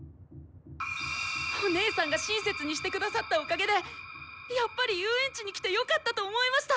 お姉さんが親切にして下さったおかげでやっぱり遊園地に来てよかったと思えました！